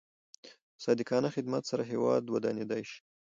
په صادقانه خدمت سره هیواد ودانېدای شي.